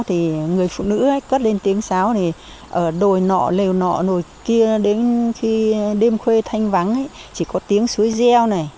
thì người phụ nữ cất lên tiếng sáo ở đồi nọ lều nọ nồi kia đến khi đêm khuê thanh vắng chỉ có tiếng suối reo này